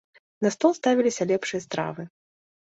На стол ставіліся лепшыя стравы.